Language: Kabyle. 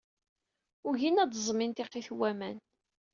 Ugin ad d-ẓẓmin tiqit n waman.